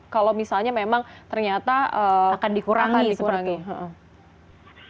kalau misalnya memang ternyata akan dikurangi seperti itu